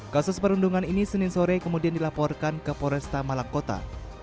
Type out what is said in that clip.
kasus perundungan ini senin sore kemudian dilaporkan ke poresta malang kota